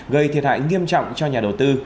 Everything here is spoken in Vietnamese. gây thiệt hại nghiêm trọng cho nhà đầu tư